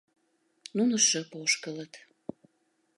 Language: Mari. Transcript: ...Нуно шып ошкылыт.